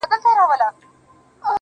څلوريځه.